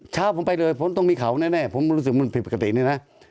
เช้าผมไปเลยผมต้องมีเขาแน่ผมรู้สึกมันผิดปกตินี่นะ